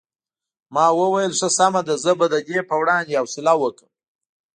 ما وویل ښه سمه ده زه به د دې په وړاندې حوصله وکړم.